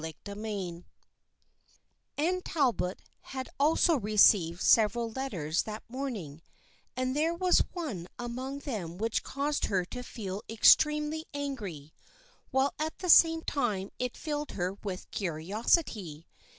CHAPTER VI ANNE TALBOT had also received several let ters that morning, and there was one among them which caused her to feel extremely angry while at the same time it filled her with curiosity.